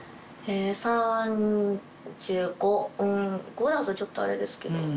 ５だとちょっとあれですけど。